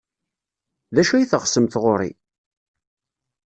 D acu ay teɣsemt ɣer-i?